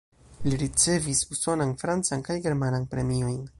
Li ricevis usonan, francan kaj germanan premiojn.